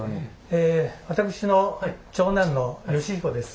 え私の長男の慶彦です。